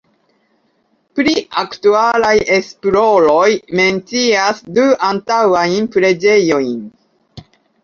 Pli aktualaj esploroj mencias du antaŭajn preĝejojn.